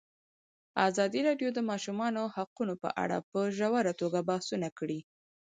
ازادي راډیو د د ماشومانو حقونه په اړه په ژوره توګه بحثونه کړي.